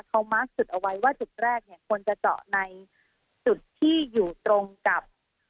เขามาร์คจุดเอาไว้ว่าจุดแรกเนี่ยควรจะเจาะในจุดที่อยู่ตรงกับ